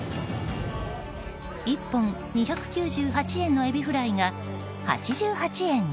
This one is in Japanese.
１本２９８円のエビフライが８８円に。